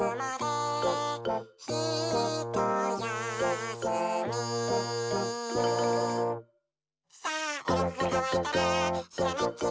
「ひとやすみ」「さあえのぐがかわいたらひらめきタイム」